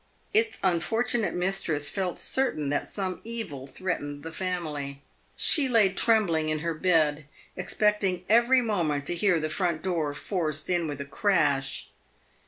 Its unfortunate mistress felt certain that some evil threatened the family. She lay trembling in her bed, expecting every moment to hear the front door forced in with a crash.